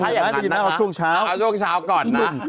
ถ้าอย่างนั้นนะเอาช่วงเช้าก่อนนะ